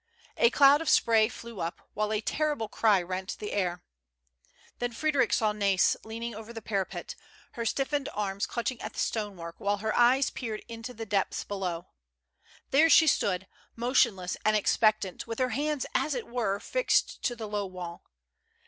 A cloud of spray flew up, while a terrible cry rent the air. Then Frederic saw Nais leaning over the para 150 THE LANDSLIP. pet, her stiffened arms clutching at the stonework, while her eyes peered into the depths below. There she stood, motionless and expectant, with her hands, as it were, fixed to the low wall.